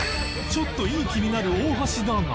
ちょっといい気になる大橋だが